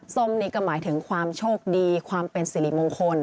ส้มนี่ก็หมายถึงความโชคดีความเป็นสิริมงคล